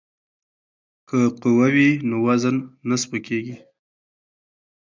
که قوه وي نو وزن نه سپکیږي.